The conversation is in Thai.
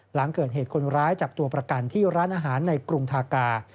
หลังเกิดเหตุคนร้ายจับตัวประกันที่ร้านอาหารในกรุงทากา